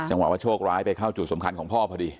ว่าโชคร้ายไปเข้าจุดสำคัญของพ่อพอดี